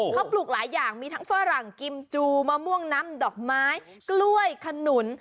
เขาปลูกหลายอย่างมีทั้งฝรั่งกิมจูมะม่วงน้ำดอกไม้กล้วยขนุน